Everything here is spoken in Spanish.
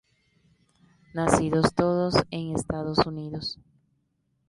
Nacidos todos en Estados Unidos.